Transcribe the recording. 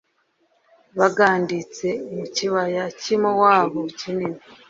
baganditse mu kibaya cy i Mowabu kinini